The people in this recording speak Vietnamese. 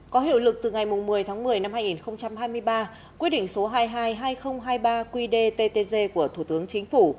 có hiệu lực từ ngày một mươi tháng một mươi năm hai nghìn hai mươi ba quy định số hai mươi hai hai nghìn hai mươi ba quy đề ttg của thủ tướng chính phủ